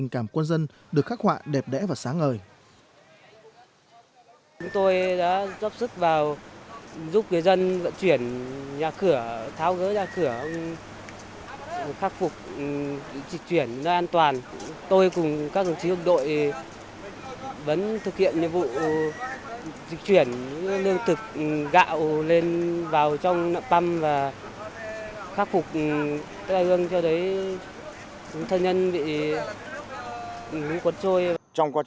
các đơn vị khác sẵn sàng lực lượng để tăng cường